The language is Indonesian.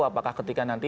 apakah ketika nanti